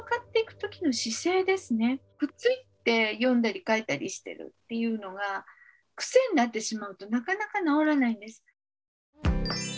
くっついて読んだり書いたりしてるっていうのが癖になってしまうとなかなか治らないんです。